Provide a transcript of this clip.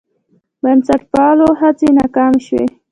بنسټپالو هڅې ناکامې شوې.